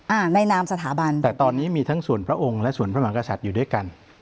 อ่าในนามสถาบันแต่ตอนนี้มีทั้งส่วนพระองค์และส่วนพระมหากษัตริย์อยู่ด้วยกัน